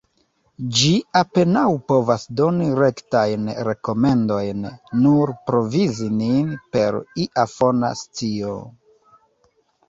Ĝi apenaŭ povas doni rektajn rekomendojn; nur provizi nin per ia fona scio.